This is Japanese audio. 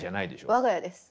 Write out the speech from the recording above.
我が家です。